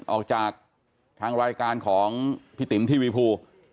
ออกจากทางรายการของพี่ติ๋มทีวีภู